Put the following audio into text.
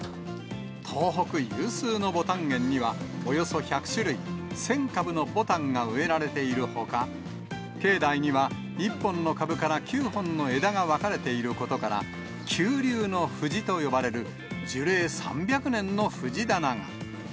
東北有数のボタン園には、およそ１００種類、１０００株のボタンが植えられているほか、境内には、１本の株から９本の枝が分かれていることから、九龍の藤と呼ばれる、樹齢３００年の藤棚が。